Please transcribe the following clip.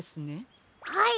はい。